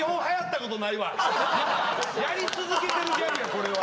やり続けてるギャグやこれは。